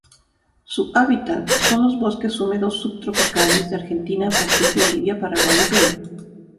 Su hábitat son los bosques húmedos subtropicales de Argentina, Brasil, Bolivia, Paraguay y Perú.